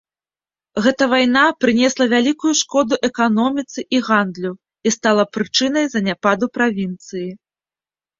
Гэта вайна прынесла вялікую шкоду эканоміцы і гандлю і стала прычынай заняпаду правінцыі.